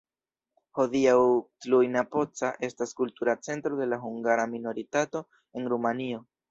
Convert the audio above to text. Hodiaŭ Cluj-Napoca estas kultura centro de la hungara minoritato en Rumanio.